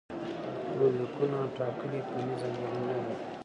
ژوندلیکونه ټاکلې فني ځانګړنې نه لري.